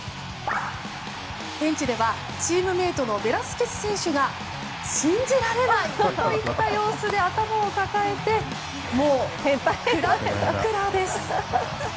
ベンチではチームメートのベラスケス選手が信じられない！といった様子で頭を抱えて、もうクラクラです。